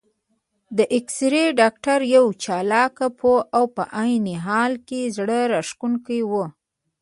د اېکسرې ډاکټر یو چالاک، پوه او په عین حال کې زړه راښکونکی و.